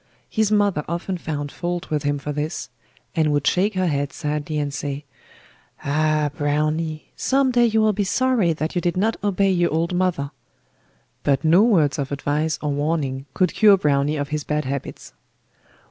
His mother often found fault with him for this, and would shake her head sadly and say: 'Ah, Browny! some day you will be sorry that you did not obey your old mother.' But no words of advice or warning could cure Browny of his bad habits.